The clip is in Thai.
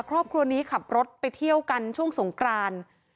ครอบครัวนี้ขับรถไปเที่ยวกันช่วงสงกราน